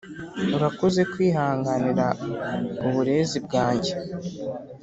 urakoze kwihanganira uburezi bwanjye,